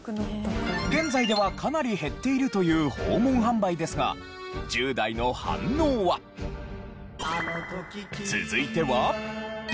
現在ではかなり減っているという訪問販売ですが続いては。